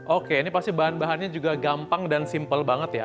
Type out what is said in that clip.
oke ini pasti bahan bahannya juga gampang dan simpel banget ya